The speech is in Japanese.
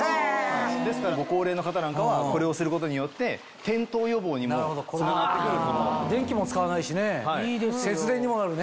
ですからご高齢の方なんかはこれをすることによって転倒予防にもつながって来る。